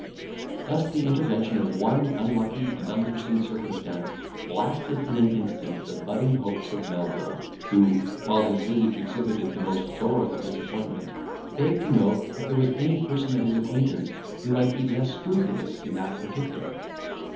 Thus the intervention of one unlucky and unforeseen circumstance blasted in an instant the budding hopes of Melvil, who, while his visage exhibited the most sorrowful disappointment, begged to know, if there was any person of his acquaintance who might be less scrupulous in that particular.